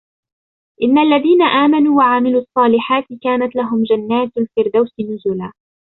إِنَّ الَّذِينَ آمَنُوا وَعَمِلُوا الصَّالِحَاتِ كَانَتْ لَهُمْ جَنَّاتُ الْفِرْدَوْسِ نُزُلًا